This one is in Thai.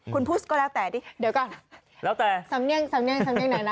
คุณพุศก็แล้วแต่ดิเดี๋ยวก่อนสำเนี่ยงไหนนะ